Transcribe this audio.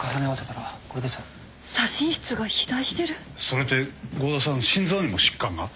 それって郷田さん心臓にも疾患が？